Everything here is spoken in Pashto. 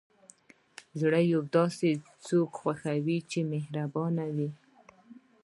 زړه یوازې هغه څوک خوښوي چې مهربان وي.